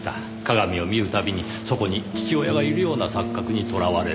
鏡を見るたびにそこに父親がいるような錯覚にとらわれる。